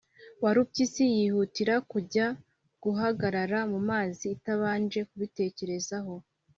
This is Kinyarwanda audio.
warupyisi yihutira kujya guhagarara mu mazi itabanje kubitekerezaho.